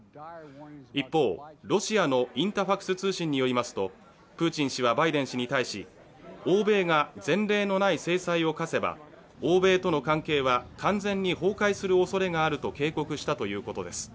一方、ロシアのインタファクス通信によりますとプーチン氏はバイデン氏に対し欧米が前例のない制裁を科せば欧米との関係は完全に崩壊するおそれがあると警告したということです。